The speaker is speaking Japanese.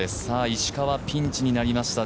石川、ピンチになりました